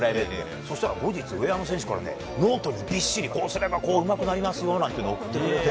そしたら後日、上山選手からノートにびっしりこうするとうまくなりますよと送っていただいて。